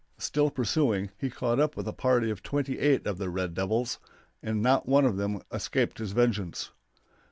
Still pursuing, he caught up with a party of twenty eight of the red devils, and not one of them escaped his vengeance.